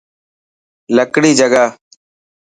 لڪڙي جگاهه.